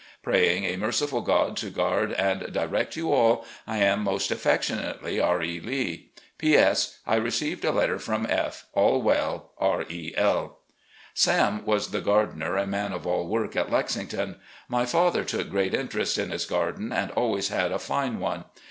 Praying a merciful God to g^uard and direct you all, I am, "Most affectionately, R. E. Lee. "P. S. — ^I received a letter from F —: all well. "R.E.L." 396 RECOLLECTIONS OF GENERAL LEE Sam was the gardener and man of all work at Lexing ton. My father took great interest in his garden and always had a fine one.